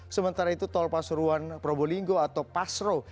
sementara itu tol pasuruan probolinggo atau pasro